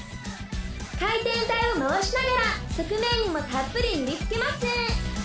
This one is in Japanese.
回転台を回しながら側面にもたっぷり塗りつけます。